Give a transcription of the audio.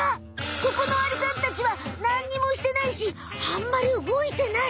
ここのアリさんたちはなんにもしてないしあんまり動いてない！